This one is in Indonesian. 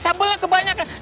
aduh rambutnya kebanyakan